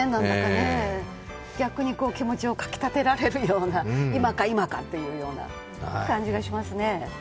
逆に気持ちをかきたてられるような、今か今かというような感じがしますね。